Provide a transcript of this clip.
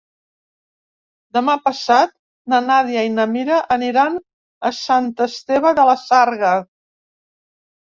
Demà passat na Nàdia i na Mira aniran a Sant Esteve de la Sarga.